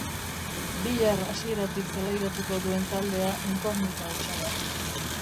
Bihar hasieratik zelairatuko duen taldea inkognita hutsa da.